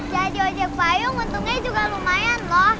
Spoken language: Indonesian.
jadi ajak payung untungnya juga lumayan loh